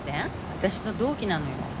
私と同期なのよ。